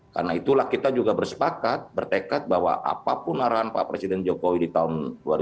karena itulah kita juga bersepakat bertekad bahwa apapun arahan pak presiden jokowi di tahun dua ribu dua puluh empat